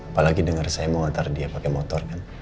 apalagi dengar saya mau ngantar dia pakai motor kan